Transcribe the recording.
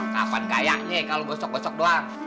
kapan kaya nih kalau bosok bosok doang